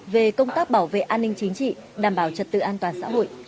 về công tác bảo vệ an ninh chính trị đảm bảo trật tự an toàn xã hội